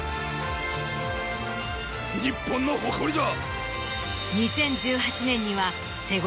日本の誇りじゃ！